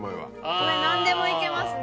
これ何でもいけますね。